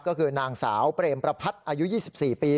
ก็คือนางสาวเปรมประพัฒน์อายุ๒๔ปี